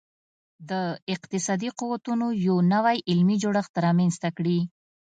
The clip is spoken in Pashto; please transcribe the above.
د اقتصادي قوتونو یو نوی علمي جوړښت رامنځته کړي